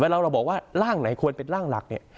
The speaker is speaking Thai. เราบอกว่าร่างไหนควรเป็นร่างหลักเนี่ย